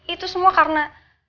itu semua karena